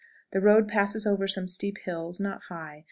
The road passes over some steep hills, not high.